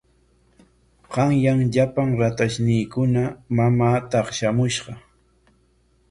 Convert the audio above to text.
Qanyan llapan ratayniikuna mamaa taqshamushqa.